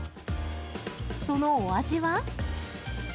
そのお味は。